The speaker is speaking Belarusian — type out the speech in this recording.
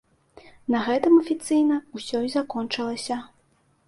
На гэтым афіцыйна ўсё і закончылася.